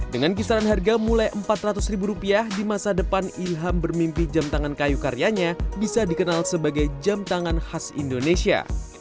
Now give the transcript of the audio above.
dengan kisaran harga mulai empat ratus ribu rupiah di masa depan ilham bermimpi jam tangan kayu karyanya bisa dikenal sebagai jam tangan khas indonesia